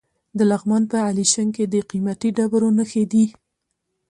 د لغمان په علیشنګ کې د قیمتي ډبرو نښې دي.